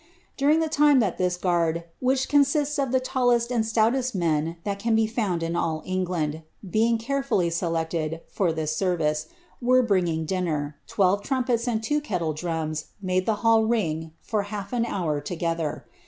Duriof tlie linie idai this guard, which consists of the tallcM and stouiesi mtn that ran be found in all England, being carefully selected for this »r vice. were bringing dinner, twelve trumpets and two kellle drums nuuf the hall ring for half an hour together.